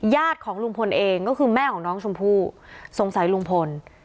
ญาติของลุงพลเองก็คือแม่ของน้องชมพู่สงสัยลุงพล